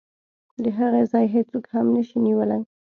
د هغې ځای هېڅوک هم نشي نیولی.